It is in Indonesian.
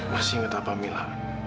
masih ingat apa mila